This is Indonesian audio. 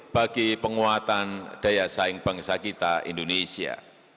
bagi penguatan daya saing bangsa kita indonesia